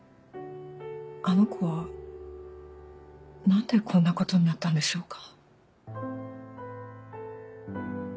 あの子は何でこんなことになったんでしょうか？